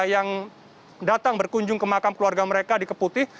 yang datang berkunjung ke makam keluarga mereka di keputih